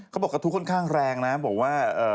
เขาบอกว่ากระทุค่อนข้างแรงนะ